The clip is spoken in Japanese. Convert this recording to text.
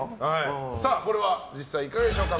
これは実際いかがでしょうか。